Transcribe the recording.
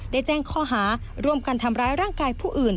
ได้แจ้งข้อหาร่วมกันทำร้ายร่างกายผู้อื่น